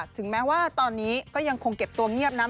ถึงแม้ว่าตอนนี้ก็ยังคงเก็บตัวเงียบนะ